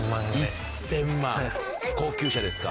高級車ですか？